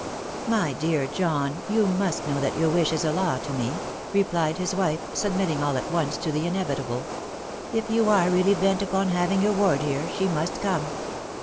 " My dear John, you must know that your wish is a law to me," replied his wife, submitting all at once to the inevitable. " If you are really bent upon having your ward here, she must come."